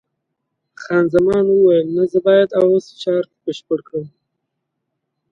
خان زمان وویل: نه، زه باید اوس چارټ بشپړ کړم.